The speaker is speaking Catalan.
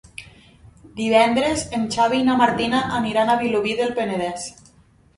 Divendres en Xavi i na Martina aniran a Vilobí del Penedès.